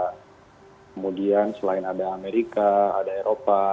kemudian selain ada amerika ada eropa